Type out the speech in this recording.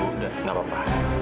udah gak apa apa